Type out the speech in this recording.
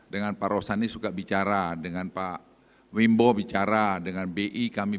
dengan pak rosan ini suka bicara dengan pak wimbo bicara dengan bi kami